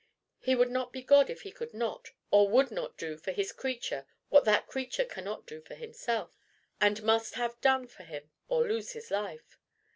"He would not be God if he could not or would not do for his creature what that creature cannot do for himself, and must have done for him or lose his life."